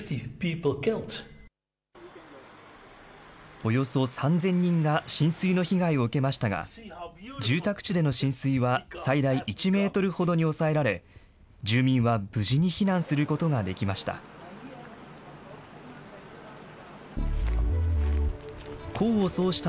およそ３０００人が浸水の被害を受けましたが、住宅地での浸水は最大１メートルほどに抑えられ、住民は無事に避難することができました。